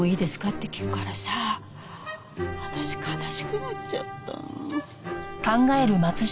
って聞くからさ私悲しくなっちゃった。